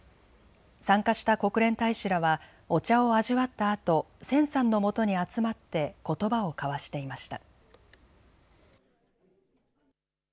参加した国連大使らはお茶を味わったあと千さんのもとに集まってことばを交わしていました。